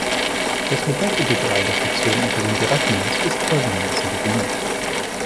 Das Lebesgue-Integral der Funktion unter dem Dirac-Maß ist folgendermaßen definiert.